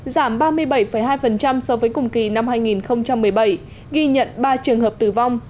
giảm ba mươi bảy hai so với cùng kỳ năm hai nghìn một mươi bảy ghi nhận ba trường hợp tử vong